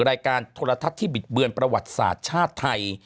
รายการโทรทัศน์ที่บิดเบือนประวัติศาสตร์ชาติไทย